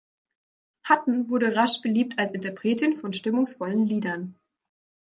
Hutton wurde rasch beliebt als Interpretin von stimmungsvollen Liedern.